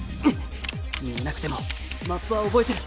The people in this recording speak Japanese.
見えなくてもマップは覚えてる